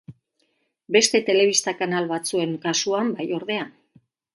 Beste telebista-kanal batzuen kasuan bai, ordea.